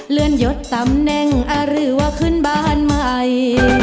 เลื่อนยดตำแหน่งหรือว่าขึ้นบ้านใหม่